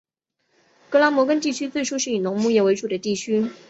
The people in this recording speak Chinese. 格拉摩根地区最初是以农牧业为主的地区。